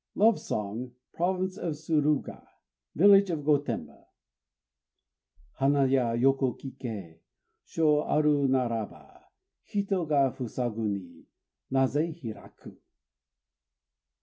LOVE SONG (Province of Suruga, village of Gotemba) Hana ya, yoku kiké! Shô aru naraba, Hito ga fusagu ni Nazé hiraku?